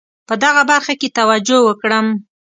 په دغه برخه کې توجه وکړم.